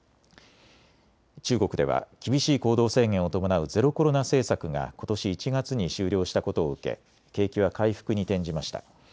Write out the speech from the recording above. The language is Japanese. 中国では厳しい行動制限を伴うゼロコロナ政策がことし１月に終了したことを受け景気は回復に転じました。